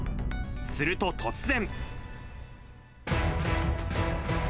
すると突然。